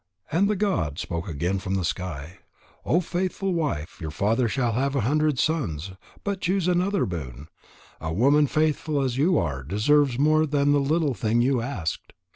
And the god spoke again from the sky: "O faithful wife, your father shall have a hundred sons. But choose another boon. A woman faithful as you are deserves more than the little thing you asked."